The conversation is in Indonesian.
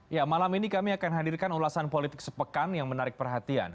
ya malam ini kami akan hadirkan ulasan politik sepekan yang menarik perhatian